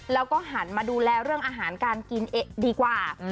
แล้วก็หันมาดูแลเรื่องอาหารการกินดีกว่า